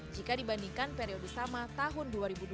jika dibandingkan periode sama tahun dua ribu dua puluh